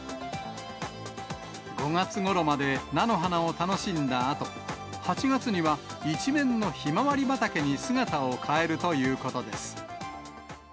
５月ごろまで菜の花を楽しんだあと、８月には一面のひまわり畑に姿を変えるということです。